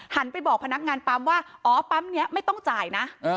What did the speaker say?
ไปบอกพนักงานปั๊มว่าอ๋อปั๊มนี้ไม่ต้องจ่ายนะ